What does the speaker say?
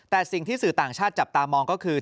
แต่สิ่งที่สื่อต่างชาติจับตามองก็คือ